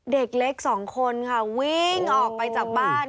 เด็กเล็กสองคนค่ะวิ่งออกไปจากบ้าน